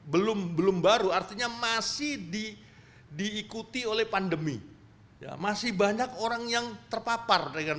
belum belum baru artinya masih diikuti oleh pandemi ya masih banyak orang yang terpapar dengan